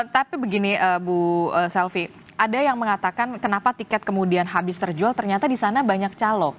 tapi begini bu selvi ada yang mengatakan kenapa tiket kemudian habis terjual ternyata di sana banyak calok